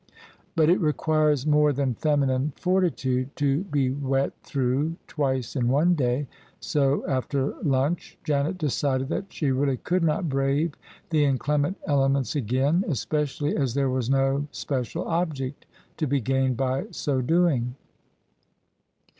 But it requires more than feminine fortitude to be wet through twice in one day: so after lunch Janet decided that she really could not brave the inclement elements again, especially as there was no special object to be gained by so doing.